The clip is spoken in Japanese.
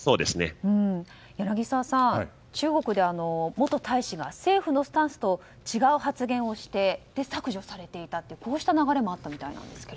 柳澤さん、中国で元大使が政府のスタンスと違う発言をして削除されていたという流れもあったようですが。